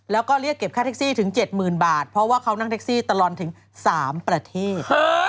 แล้วก็เรียกเก็บค่าแท็กซี่ถึง๗๐๐๐บาทเพราะว่าเขานั่งแท็กซี่ตลอดถึง๓ประเทศ